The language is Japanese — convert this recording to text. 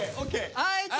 はい。